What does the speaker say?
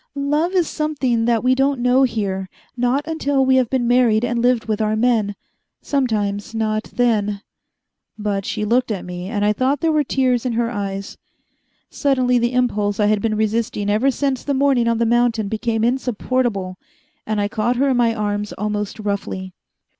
"Love is something that we don't know here not until we have been married and lived with our men. Sometimes not then." But she looked at me, and I thought there were tears in her eyes. Suddenly the impulse I had been resisting ever since the morning on the mountain became insupportable, and I caught her in my arms almost roughly.